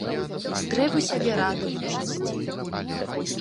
Трэба сябе радаваць часцей.